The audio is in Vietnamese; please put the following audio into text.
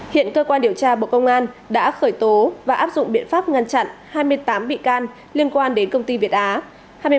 hiện cơ quan điều tra bộ công an đã khởi tố và áp dụng biện pháp ngăn chặn hai mươi tám bị can liên quan đến công ty việt á